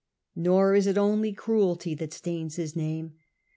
Nor is it only and foul Cruelty that stains his name.